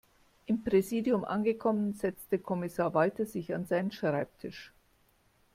Im Präsidium angekommen, setzte Kommissar Walter sich an seinen Schreibtisch.